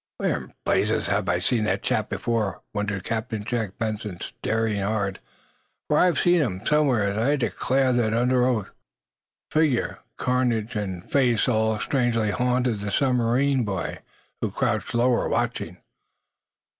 "Where in blazes have I seen that chap before?" wondered Captain Jack Benson, staring hard. "For I have seen him somewhere. I'd declare that under oath." Figure, carnage and face all strangely haunted the submarine boy, who crouched lower, watching.